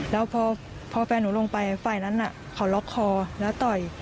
แล้วพอแฟนหนูลงไปฝ่ายนั้นเขาล็อกคอแล้วต่อย